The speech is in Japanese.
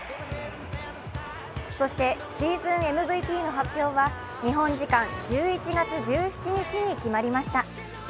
そしてシーズンＭＶＰの発表は日本時間１１月１７日に決まりました。